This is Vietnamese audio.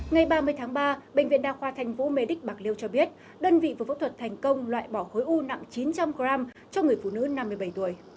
ngày ba mươi tháng ba bệnh viện đa khoa thành phố mê đích bạc liêu cho biết đơn vị vừa phẫu thuật thành công loại bỏ khối u nặng chín trăm linh g cho người phụ nữ năm mươi bảy tuổi